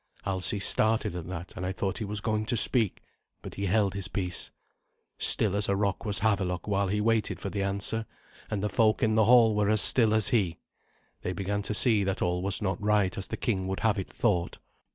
Alsi started at that, and I thought he was going to speak, but he held his peace. Still as a rock was Havelok while he waited for the answer, and the folk in the hall were as still as he. They began to see that all was not right as the king would have it thought.